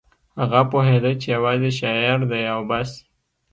هغه پوهېده چې یوازې شاعر دی او بس